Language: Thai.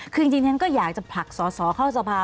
คือจริงฉันก็อยากจะผลักสอสอเข้าสภา